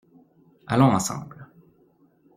Allons ensemble.